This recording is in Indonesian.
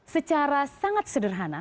secara sangat sederhana